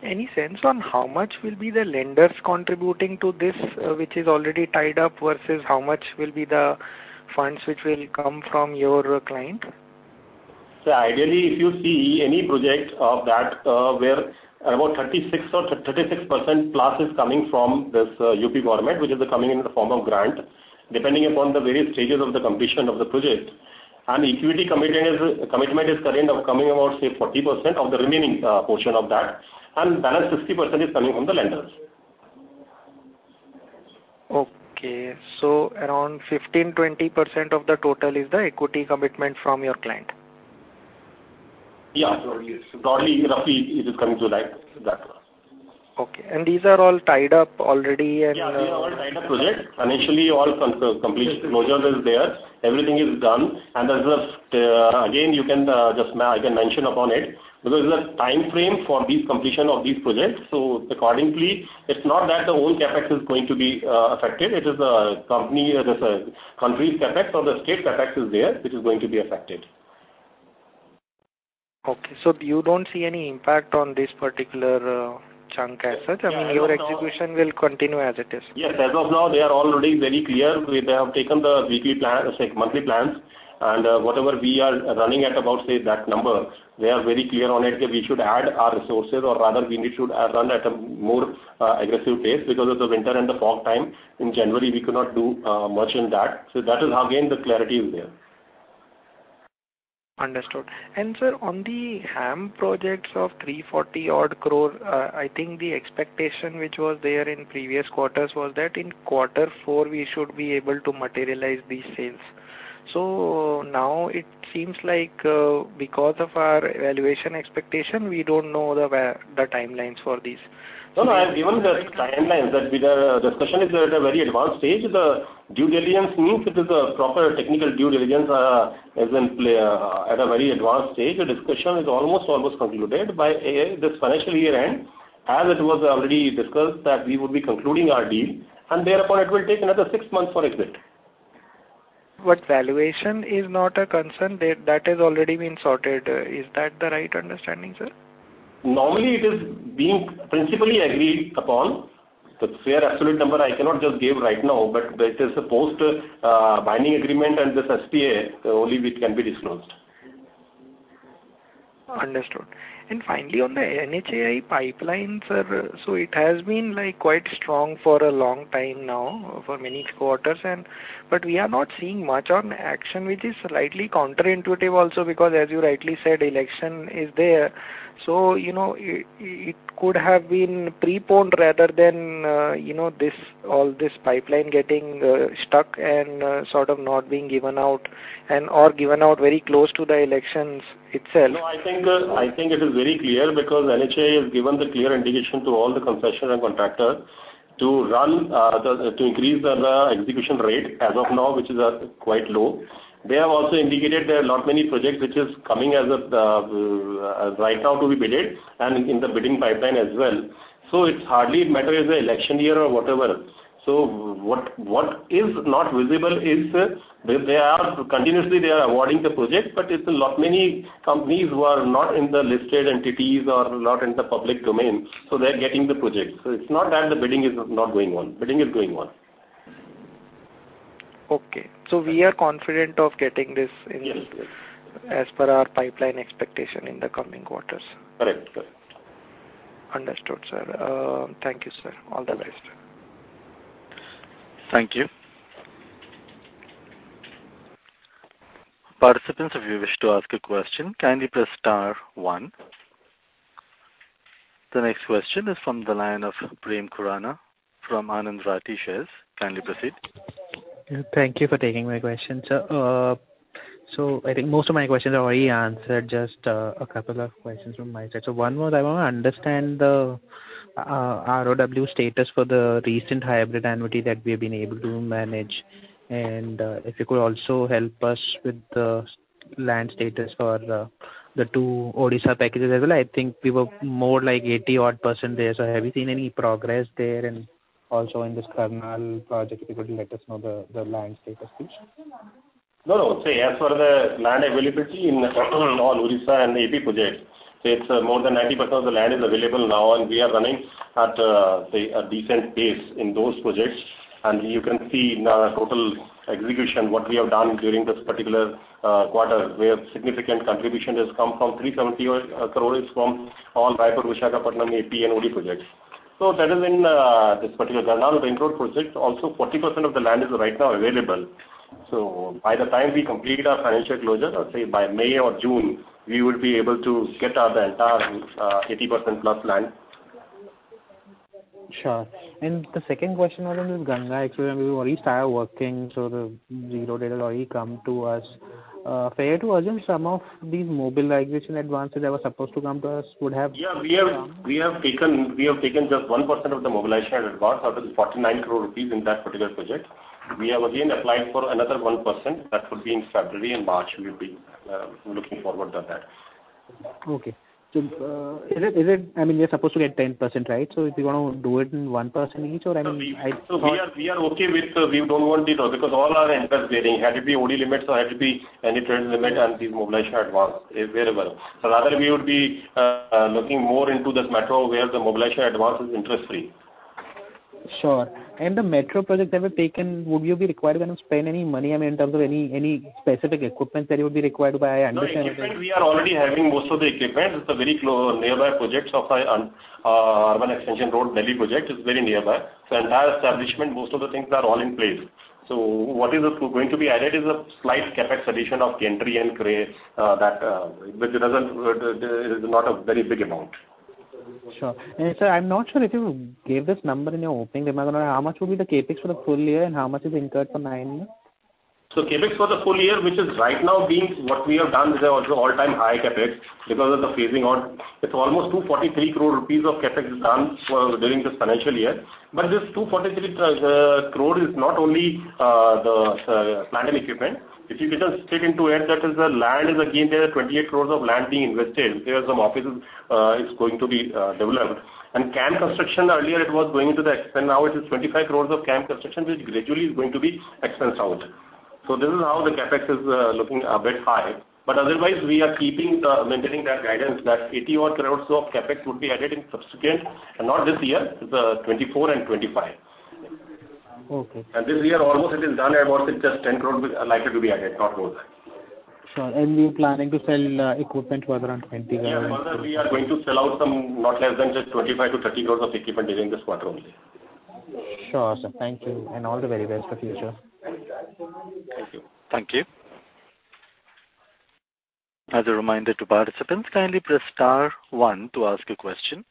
Speaker 9: Any sense on how much will be the lenders contributing to this, which is already tied up, versus how much will be the funds which will come from your client?
Speaker 3: So ideally, if you see any project of that, where about 36% or +36% is coming from this, UP government, which is coming in the form of grant, depending upon the various stages of the completion of the project. And equity commitment is, commitment is current of coming about, say, 40% of the remaining, portion of that, and balance 60% is coming from the lenders.
Speaker 9: Okay. So around 15% to 20% of the total is the equity commitment from your client?
Speaker 3: Yeah, broadly, roughly, it is coming to like that.
Speaker 9: Okay. These are all tied up already and,
Speaker 3: Yeah, these are all tied up projects. Initially, all complete closure is there. Everything is done. And there's just, again, you can, I can mention upon it, because there's a time frame for these completion of these projects, so accordingly, it's not that the whole CapEx is going to be affected. It is a company, as a country's CapEx or the state's CapEx is there, which is going to be affected.
Speaker 9: Okay, so you don't see any impact on this particular chunk as such? I mean, your execution will continue as it is.
Speaker 3: Yes, as of now, they are already very clear. They have taken the weekly plan, say, monthly plans, and, whatever we are running at about, say, that number, they are very clear on it, that we should add our resources or rather, we should, run at a more, aggressive pace because of the winter and the fog time. In January, we could not do, much in that. So that is how, again, the clarity is there.
Speaker 9: Understood. And sir, on the HAM projects of 340-odd crore, I think the expectation which was there in previous quarters was that in quarter four, we should be able to materialize these sales. So now it seems like, because of our valuation expectation, we don't know the, where, the timelines for these.
Speaker 3: No, no, I have given the timelines, that the discussion is at a very advanced stage. The due diligence means it is a proper technical due diligence is in play at a very advanced stage. The discussion is almost, almost concluded. By this financial year end, as it was already discussed, that we would be concluding our deal, and thereupon it will take another six months for exit.
Speaker 9: But valuation is not a concern. That, that has already been sorted. Is that the right understanding, sir?
Speaker 3: Normally, it is being principally agreed upon. The fair absolute number I cannot just give right now, but it is supposed binding agreement and this SPA, only which can be disclosed.
Speaker 9: Understood. And finally, on the NHAI pipeline, sir, so it has been, like, quite strong for a long time now, for many quarters, and but we are not seeing much on action, which is slightly counterintuitive also, because as you rightly said, election is there. So, you know, it could have been preponed rather than, you know, this, all this pipeline getting stuck and sort of not being given out and/or given out very close to the elections itself.
Speaker 3: No, I think, I think it is very clear because NHAI has given the clear indication to all the concession and contractor to run, to increase the execution rate as of now, which is quite low. They have also indicated there are not many projects which is coming as of right now to be bidded and in the bidding pipeline as well. So it's hardly a matter is an election year or whatever. So what, what is not visible is, they are continuously awarding the projects, but it's a lot many companies who are not in the listed entities or not in the public domain, so they're getting the projects. So it's not that the bidding is not going on. Bidding is going on.
Speaker 9: Okay. So we are confident of getting this in-
Speaker 3: Yes, yes.
Speaker 9: as per our pipeline expectation in the coming quarters?
Speaker 3: Correct, correct.
Speaker 9: Understood, sir. Thank you, sir. All the best.
Speaker 1: Thank you. Participants, if you wish to ask a question, kindly press star one. The next question is from the line of Prem Khurana from Anand Rathi Shares. Kindly proceed.
Speaker 10: Thank you for taking my question, sir. So I think most of my questions are already answered, just a couple of questions from my side. So one was, I want to understand the ROW status for the recent hybrid annuity that we have been able to manage. And if you could also help us with the land status for the two Odisha packages as well. I think we were more like 80-odd% there. So have you seen any progress there? And also in this Karnal project, if you could let us know the land status, please.
Speaker 3: No, no. So as for the land availability in on Odisha and AP projects, it's more than 90% of the land is available now, and we are running at, say, a decent pace in those projects. And you can see in our total execution, what we have done during this particular, quarter, where significant contribution has come from 370 crore from all Raipur, Visakhapatnam, AP, and OD projects. So that is in, this particular Karnal project. Also, 40% of the land is right now available. So by the time we complete our financial closure, or say by May or June, we will be able to get out the entire, 80% plus land.
Speaker 10: Sure. And the second question was on this Ganga Express, we already started working, so the zero date already come to us. Fair to assume some of these mobilization advances that were supposed to come to us would have-
Speaker 3: Yeah, we have taken just 1% of the mobilization advance, that is 49 crore rupees in that particular project. We have again applied for another 1%. That would be in February and March. We'll be looking forward on that.
Speaker 10: Okay. So, is it? I mean, you're supposed to get 10%, right? So if you want to do it in 1% each, or, I mean, I thought-
Speaker 3: So we are, we are okay with, we don't want it all, because all are interest bearing, had it be OD limits or had it be any trends limit on these mobilization advance available. So rather, we would be looking more into this metro, where the mobilization advance is interest-free.
Speaker 10: Sure. And the metro projects that were taken, would you be required to spend any money, I mean, in terms of any specific equipment that you would be required to buy? I understand-
Speaker 3: No, equipment, we are already having most of the equipment. It's a very close nearby projects of our Urban Extension Road, Delhi project, is very nearby. So entire establishment, most of the things are all in place. So what is going to be added is a slight CapEx addition of gantry and cranes, that, which doesn't, it is not a very big amount.
Speaker 10: Sure. Sir, I'm not sure if you gave this number in your opening remark. How much will be the CapEx for the full year, and how much is incurred for nine month?
Speaker 3: CapEx for the full year, which is right now being, what we have done is also all-time high CapEx because of the phasing out. It's almost 243 crore rupees of CapEx done during this financial year. But this 243 crore is not only the plant and equipment. If you just take into it, that is the land is again, there are 28 crore of land being invested. There are some offices is going to be developed. And camp construction, earlier it was going into the expense, now it is 25 crore of camp construction, which gradually is going to be expensed out.... So this is how the CapEx is looking a bit high. Otherwise, we are keeping, maintaining that guidance, that 80-odd crore of CapEx would be added in subsequent, and not this year, it's 2024 and 2025.
Speaker 10: Okay.
Speaker 3: This year, almost it is done, and worth just 10 crore are likely to be added, not more than.
Speaker 10: Sure. And we're planning to sell equipment worth around 20 crore.
Speaker 3: Yeah, further we are going to sell out some, not less than just 25 crore to 30 crore of equipment during this quarter only.
Speaker 10: Sure, sir. Thank you, and all the very best for future.
Speaker 3: Thank you.
Speaker 1: Thank you. As a reminder to participants, kindly press star one to ask a question.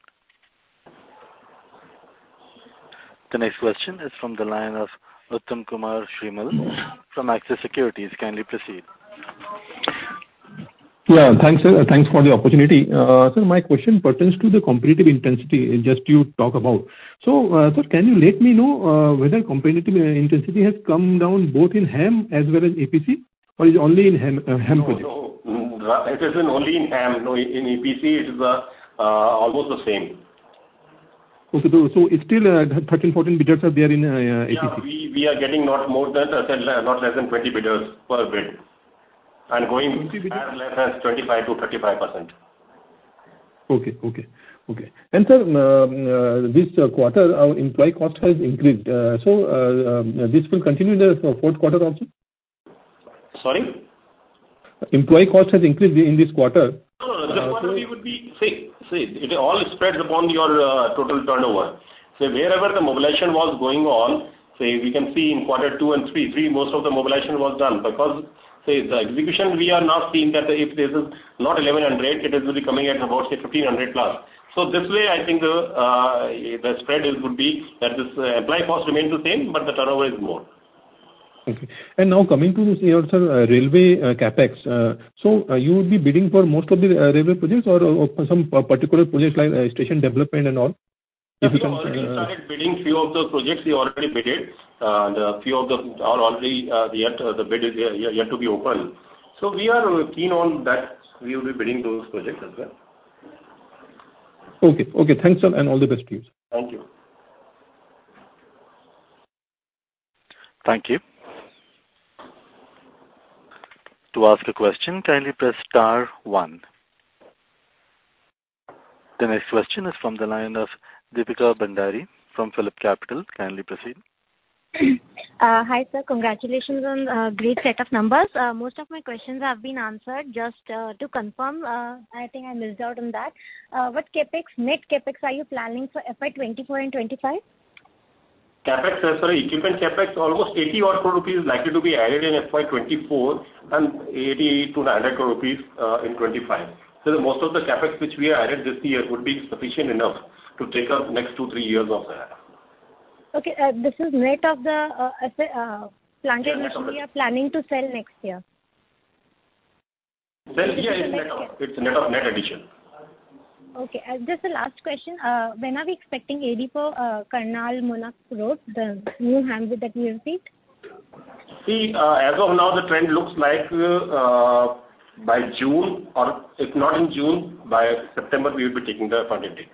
Speaker 1: The next question is from the line of Uttam Kumar Srimal from Axis Securities. Kindly proceed.
Speaker 11: Yeah, thanks, sir. Thanks for the opportunity. So, my question pertains to the competitive intensity, just you talk about. So, sir, can you let me know, whether competitive intensity has come down both in HAM as well as EPC, or is it only in HAM, HAM projects?
Speaker 3: No, no. It isn't only in HAM. No, in EPC, it is almost the same.
Speaker 11: Okay. So it's still 13, 14 bidders are there in EPC?
Speaker 3: Yeah, we are getting not more than. I said, not less than 20 bidders per bid, and going-
Speaker 11: 20 bidders?
Speaker 3: as low as 25% to 35%.
Speaker 11: Sir, this quarter, our employee cost has increased. So, this will continue the, for fourth quarter also?
Speaker 3: Sorry?
Speaker 11: Employee cost has increased in this quarter.
Speaker 3: No, no, the quarter would be same, same. It all spreads upon your total turnover. So wherever the mobilization was going on, say, we can see in quarter two and three, three, most of the mobilization was done. Because, say, the execution, we are now seeing that if this is not 1,100, it is will be coming at about, say, +1,500. So this way, I think the, the spread is would be, that this employee cost remains the same, but the turnover is more.
Speaker 11: Okay. And now coming to this here, sir, railway CapEx. So, you would be bidding for most of the railway projects or for some particular projects like station development and all? If you can,
Speaker 3: We started bidding. Few of those projects we already bidded. The few of them are already yet to be open. So we are keen on that. We will be bidding those projects as well.
Speaker 11: Okay, okay. Thanks, sir, and all the best to you, sir.
Speaker 3: Thank you.
Speaker 1: Thank you. To ask a question, kindly press star one. The next question is from the line of Deepika Bhandari from Phillip Capital. Kindly proceed.
Speaker 12: Hi, sir. Congratulations on great set of numbers. Most of my questions have been answered. Just to confirm, I think I missed out on that. What CapEx, net CapEx are you planning for FY 24 and 25?
Speaker 3: CapEx, sorry, equipment CapEx, almost 80-odd crore rupees is likely to be added in FY 2024, and 80 crore rupees to 90 crore rupees, in 2025. So the most of the CapEx which we added this year would be sufficient enough to take up next two, three years of that.
Speaker 12: Okay, this is net of the plant, which we are planning to sell next year?
Speaker 3: Sales here is net of, it's net of net addition.
Speaker 12: Okay, just a last question. When are we expecting AD for, Karnal Ring Road, the new handbook that we have seen?
Speaker 3: See, as of now, the trend looks like, by June, or if not in June, by September, we will be taking the funding date.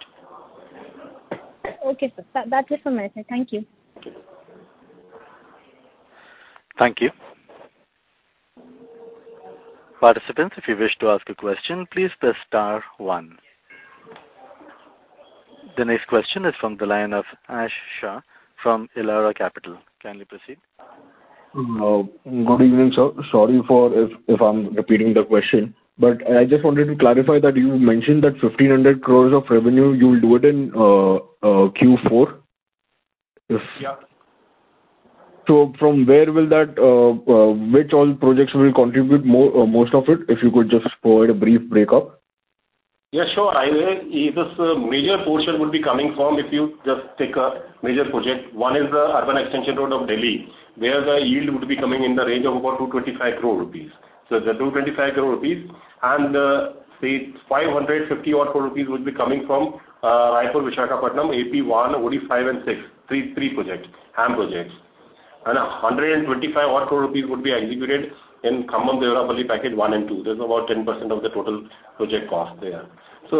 Speaker 12: Okay, sir. That's it from my side. Thank you.
Speaker 1: Thank you. Participants, if you wish to ask a question, please press star one. The next question is from the line of Ash Shah, from Elara Capital. Kindly proceed.
Speaker 13: Good evening, sir. Sorry if I'm repeating the question, but I just wanted to clarify that you mentioned that 1,500 crore of revenue, you will do it in Q4? If-
Speaker 3: Yeah.
Speaker 13: From where will that, which all projects will contribute more, most of it? If you could just provide a brief break-up.
Speaker 3: Yeah, sure. I will. It is, major portion would be coming from, if you just take a major project, one is the Urban Extension Road of Delhi, where the yield would be coming in the range of about 225 crore rupees. So 225 crore rupees, and, say, 550-odd crore rupees would be coming from, Raipur-Visakhapatnam, AP 1, 4, 5, and 6, 3, 3 projects, HAM projects. And 125-odd crore rupees would be executed in Khammam-Devarapalle Package 1 and 2. There's about 10% of the total project cost there. So,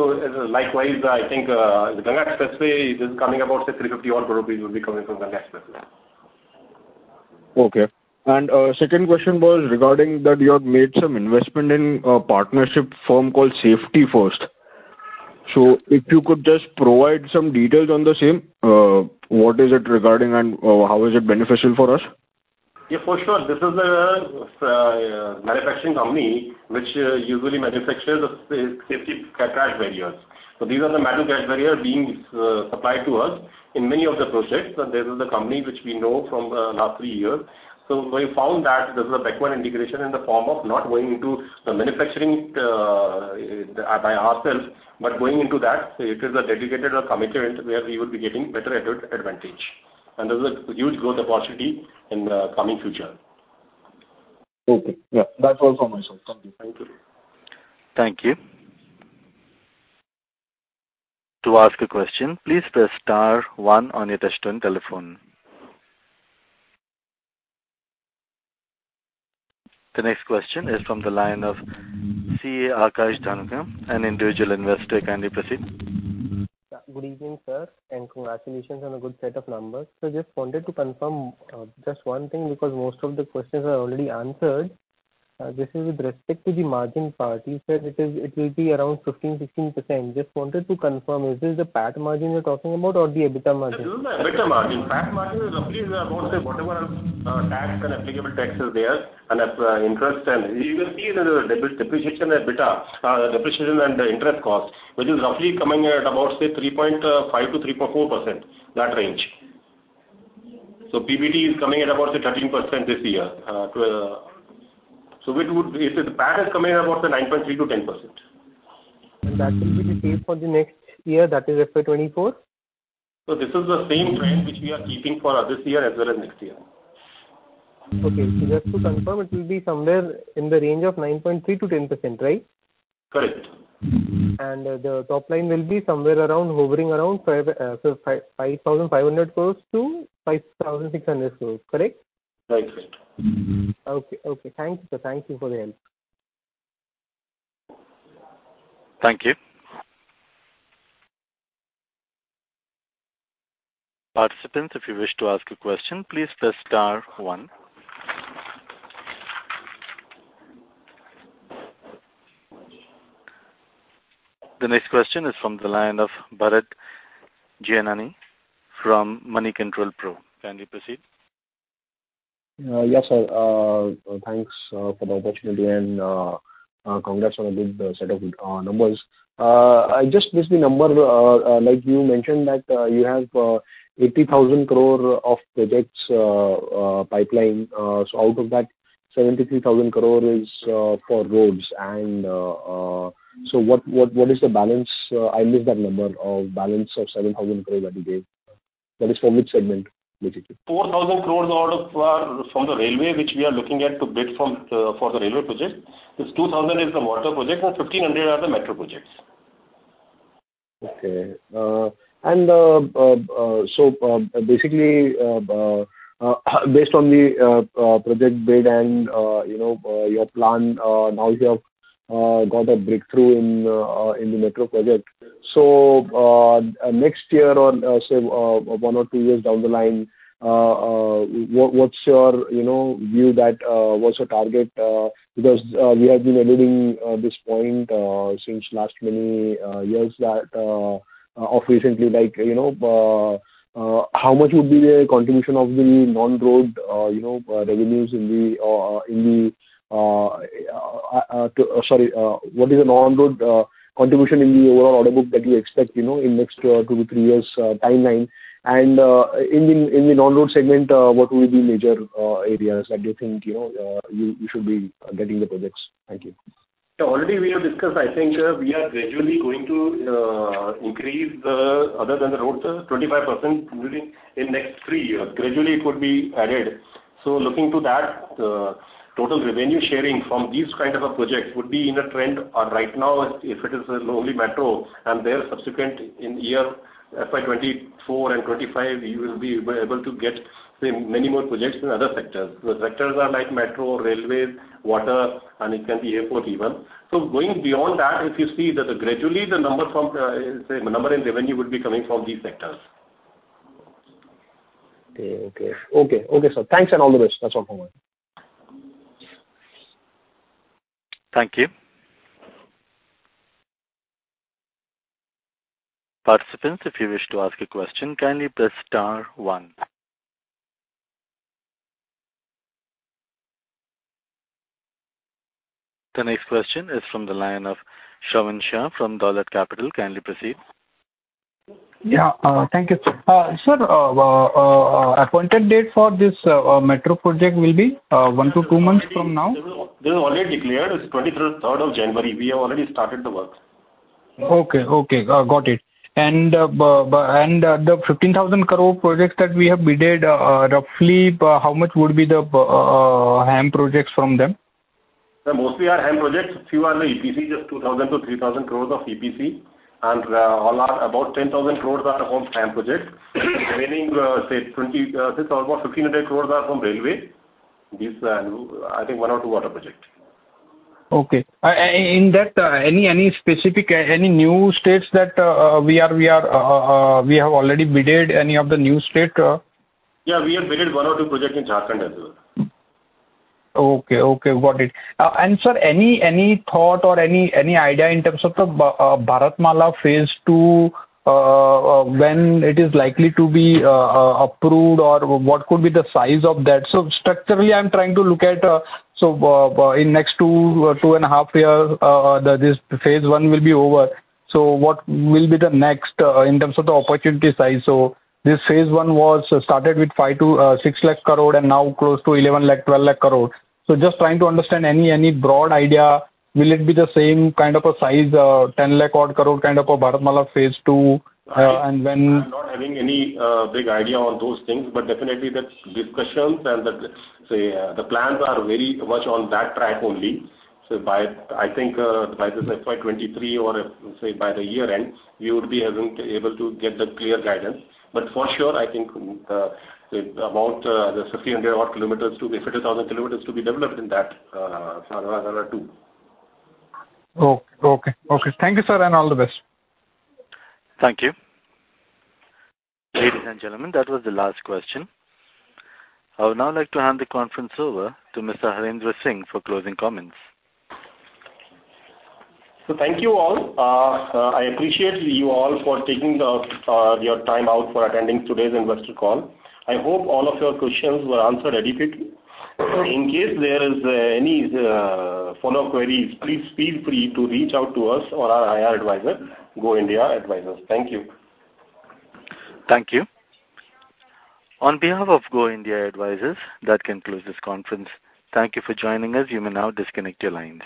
Speaker 3: likewise, I think, the Ganga Expressway is coming about, say, 350-odd crore rupees will be coming from Ganga Expressway.
Speaker 13: Okay. And, second question was regarding that you have made some investment in a partnership firm called Safety First. So if you could just provide some details on the same, what is it regarding and, how is it beneficial for us?
Speaker 3: Yeah, for sure. This is a manufacturing company which usually manufactures the safety crash barriers. So these are the metal crash barriers being supplied to us in many of the projects. So this is the company which we know from last three years. So we found that this is a backward integration in the form of not going into the manufacturing by ourselves, but going into that, it is a dedicated commitment where we would be getting better advantage. And there's a huge growth opportunity in the coming future.
Speaker 13: Okay. Yeah, that's all for myself. Thank you.
Speaker 1: Thank you. To ask a question, please press star one on your touchtone telephone. The next question is from the line of C.A. Akash Dhanuka, an individual investor. Kindly proceed. ...
Speaker 14: Good evening, sir, and congratulations on a good set of numbers. So just wanted to confirm, just one thing, because most of the questions are already answered. This is with respect to the margin part. You said it is, it will be around 15% to 16%. Just wanted to confirm, is this the PAT margin you're talking about or the EBITDA margin?
Speaker 3: This is the EBITDA margin. PAT margin is roughly about, say, whatever, tax and applicable tax is there, and as, interest and-- you will see the depreciation EBITDA, depreciation and the interest cost, which is roughly coming in at about, say, 3.5% to 3.4%, that range. So PBT is coming in about the 13% this year, twelve. So it would be, say, the PAT is coming in about the 9.3% to10%.
Speaker 14: That will be the case for the next year, that is FY 2024?
Speaker 3: This is the same trend which we are keeping for this year as well as next year.
Speaker 14: Okay. Just to confirm, it will be somewhere in the range of 9.3% to 10%, right?
Speaker 3: Correct.
Speaker 14: The top line will be somewhere around, hovering around 5, so 5,500 crore-5,600 crore, correct?
Speaker 3: Right.
Speaker 14: Okay, okay. Thank you, sir. Thank you for the help.
Speaker 1: Thank you. Participants, if you wish to ask a question, please press star one. The next question is from the line of Bharat Gianani from Moneycontrol Pro. Kindly proceed.
Speaker 15: Yes, sir, thanks for the opportunity and congrats on a good set of numbers. I just missed the number, like you mentioned, that you have 80,000 crore of projects pipeline. So out of that, 73,000 crore is for roads. So what is the balance? I missed that number of balance of 7,000 crore that you gave. That is for which segment, basically?
Speaker 3: 4,000 crore out of are from the railway, which we are looking at to bid from, for the railway project. This 2,000 crore is the water project, and 1,500 crore are the metro projects.
Speaker 15: Okay, and, so, basically, based on the project bid and, you know, your plan, now you have got a breakthrough in the metro project. So, next year or, say, one or two years down the line, what's your, you know, view that, what's your target? Because, we have been awaiting this point since last many years that, or recently, like, you know, how much would be the contribution of the non-road, you know, revenues in the, in the, sorry, what is the non-road contribution in the overall order book that you expect, you know, in next two to three years timeline? In the non-road segment, what will be major areas that you think, you know, you should be getting the projects? Thank you.
Speaker 3: So already we have discussed, I think, we are gradually going to increase the, other than the roads, 25% maybe in next three years. Gradually, it would be added. So looking to that, total revenue sharing from these kind of projects would be in a trend or right now, if it is only metro, and then subsequent in year FY 2024 and 2025, we will be able to get, say, many more projects in other sectors. The sectors are like metro, railways, water, and it can be airport even. So going beyond that, if you see that gradually the number from, say, the number in revenue would be coming from these sectors.
Speaker 15: Okay, okay, sir. Thanks and all the best. That's all from my end.
Speaker 1: Thank you. Participants, if you wish to ask a question, kindly press star one. The next question is from the line of Shravan Shah from Dolat Capital. Kindly proceed.
Speaker 5: Yeah, thank you, sir. Sir, appointed date for this metro project will be one to two months from now?
Speaker 3: This is already declared. It's 23 January. We have already started the work.
Speaker 5: Okay, got it. And the 15,000 crore projects that we have bid, roughly, how much would be the HAM projects from them?
Speaker 3: Sir, mostly are HAM projects. Few are the EPC, just 2,000 crore to 3,000 crore of EPC, and all are about 10,000 crore are from HAM projects. The remaining, say 20, say about 1,500 crore are from railway. This and I think one or two water project.
Speaker 5: Okay. In that, any specific, any new states that we have already bid, any of the new state?
Speaker 3: Yeah, we have bid one or two projects in Jharkhand as well.
Speaker 5: Okay, okay, got it. And sir, any thought or any idea in terms of the Bharatmala Phase Two, when it is likely to be approved, or what could be the size of that? So structurally, I'm trying to look at in next two and a half years, this phase one will be over. So what will be the next in terms of the opportunity size? So this phase one was started with 5 lakh crore to 6 lakh crore and now close to 11 lakh crore to 12 lakh crore. So just trying to understand any broad idea, will it be the same kind of a size, 10 lakh-odd crore, kind of a Bharatmala Phase Two, and when-
Speaker 3: I'm not having any big idea on those things, but definitely the discussions and the, say, the plans are very much on that track only. So by, I think, by this FY 2023 or, say by the year end, you would be having, able to get the clear guidance. But for sure, I think, the amount, the 1,500-odd km to be 50,000 km to be developed in that, Bharatmala Two.
Speaker 5: Okay. Okay, okay. Thank you, sir, and all the best.
Speaker 1: Thank you. Ladies and gentlemen, that was the last question. I would now like to hand the conference over to Mr. Harendra Singh for closing comments.
Speaker 3: So thank you all. I appreciate you all for taking your time out for attending today's investor call. I hope all of your questions were answered adequately. In case there is any follow-up queries, please feel free to reach out to us or our IR advisor, Go India Advisors. Thank you.
Speaker 1: Thank you. On behalf of Go India Advisors, that concludes this conference. Thank you for joining us. You may now disconnect your lines.